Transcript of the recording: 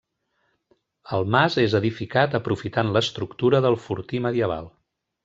El mas és edificat aprofitant l'estructura del fortí medieval.